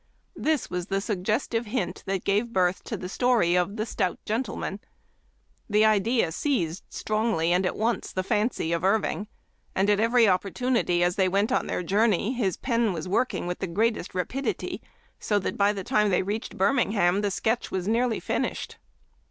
This was the suggestive hint that gave birth to the story of " The Stout Gen tleman." The idea seized strongly and at once the fancy of Irving, and at every opportunity as they went on their journey his pen was working with the greatest rapidity, so that by the time they reached Birmingham the sketch was nearly finished.